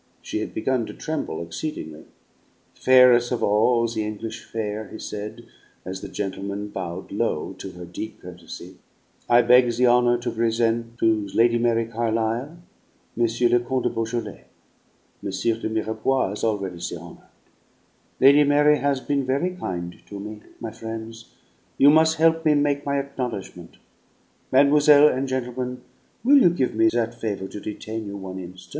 She had begun to tremble exceedingly. "Faires' of all the English fair," he said, as the gentlemen bowed low to her deep courtesy, "I beg the honor to presen' to Lady Mary Carlisle, M. le Comte de Beaujolais. M. de Mirepoix has already the honor. Lady Mary has been very kind to me, my frien's; you mus' help me make my acknowledgment. Mademoiselle and gentlemen, will you give me that favour to detain you one instan'?"